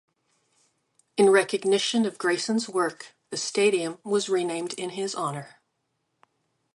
In recognition of Grayson's work, the stadium was renamed in his honor.